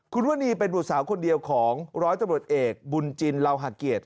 คุณวนีเป็นบุตรสาวคนเดียวของร้อยตำรวจเอกบุญจินเหล่าหาเกียรติ